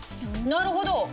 なるほど。